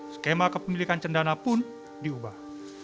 skema kepemilikan cendana pun diubah